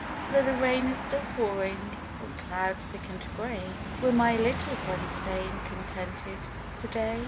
Though the rain is still pouring from clouds thick and gray, Will my little son stay in contented to day